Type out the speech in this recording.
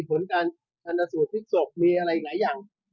หรือปฐานสูตรศาสตร์ทิพธิศต้องเป็นอะไรอย่าง